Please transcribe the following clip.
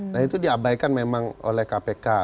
nah itu diabaikan memang oleh kpk